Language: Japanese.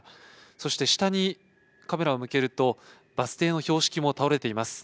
そして下にカメラを向けるとバス停の標識も倒れています。